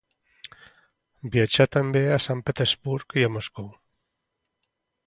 Viatjà també a Sant Petersburg i Moscou.